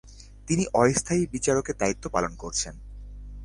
তিনি অস্থায়ী বিচারকের দায়িত্ব পালন করেছেন।